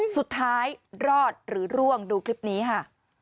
สุดท้ายรอดหรือร่วงดูคลิปนี้ค่ะ